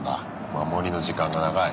守りの時間が長い。